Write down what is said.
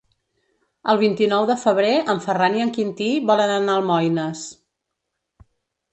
El vint-i-nou de febrer en Ferran i en Quintí volen anar a Almoines.